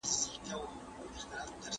دا موبایل له هغه ګټور دی؟